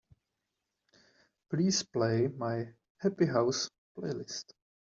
Please play my Happy House playlist.